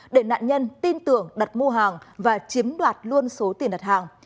để nạn nhân tin tưởng đặt mua hàng và chiếm đoạt luôn số tiền đặt hàng